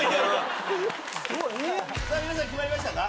皆さん決まりましたか？